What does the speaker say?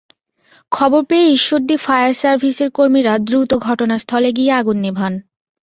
খবর পেয়ে ঈশ্বরদী ফায়ার সার্ভিসের কর্মীরা দ্রুত ঘটনাস্থলে গিয়ে আগুন নেভান।